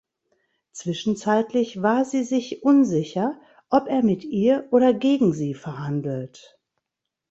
Zwischenzeitlich war sie sich unsicher, ob er mit ihr oder gegen sie verhandelt.